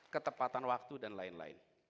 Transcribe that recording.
ketepatan waktu dan lain lain